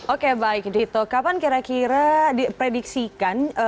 oke baik dito kapan kira kira diprediksikan